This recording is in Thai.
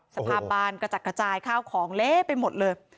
สภาพบ้านกระจัดกระจายข้าวของเละไปหมดเลย